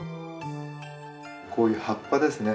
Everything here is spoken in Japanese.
こういう葉っぱですね。